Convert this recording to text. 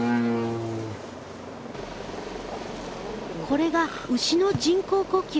これが牛の人工呼吸。